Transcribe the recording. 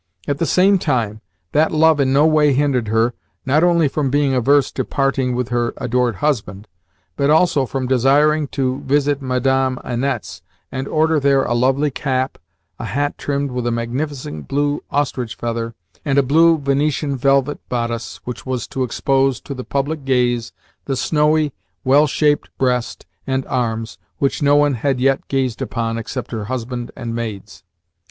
At the same time, that love in no way hindered her, not only from being averse to parting with her adored husband, but also from desiring to visit Madame Annette's and order there a lovely cap, a hat trimmed with a magnificent blue ostrich feather, and a blue Venetian velvet bodice which was to expose to the public gaze the snowy, well shaped breast and arms which no one had yet gazed upon except her husband and maids.